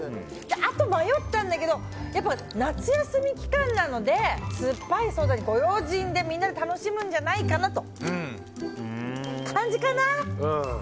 あと、迷ったんだけど夏休み期間なのですっぱいソーダにご用心でみんなで楽しむんじゃないかという感じかな。